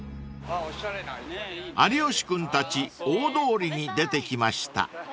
［有吉君たち大通りに出てきました］